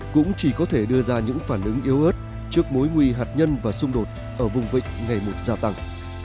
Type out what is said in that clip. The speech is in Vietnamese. cũng chỉ có thể đưa ra những phản ứng yếu ớt trước mối nguy hạt nhân và xung đột ở vùng vịnh ngày một gia tăng